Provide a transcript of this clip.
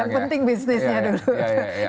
yang penting bisnisnya dulu